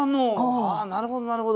ああなるほどなるほど。